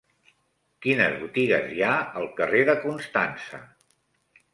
Quines botigues hi ha al carrer de Constança?